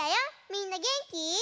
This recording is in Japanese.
みんなげんき？